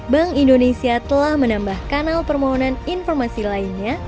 bank indonesia telah menambah kanal permohonan informasi lainnya